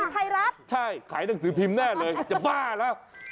ไทยรัฐใช่ขายหนังสือพิมพ์แน่เลยจะบ้าแล้ว